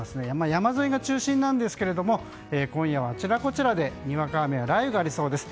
山沿いが中心なんですが今夜はあちらこちらでにわか雨や雷雨がありそうです。